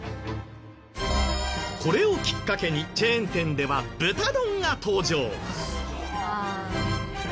これをきっかけにチェーン店では豚丼が登場。